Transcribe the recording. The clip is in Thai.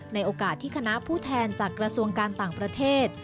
ในโอกาสที่คณะผู้แทนจากกระทรวงการต่างประเทศ